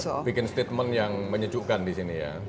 saya harus bikin statement yang menyejukkan disini ya